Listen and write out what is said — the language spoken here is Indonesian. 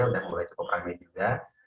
sudah mulai cukup ramai juga